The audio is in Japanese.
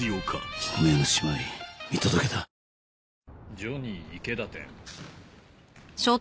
ジョニー池田店。